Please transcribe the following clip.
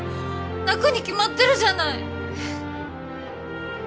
泣くに決まってるじゃない！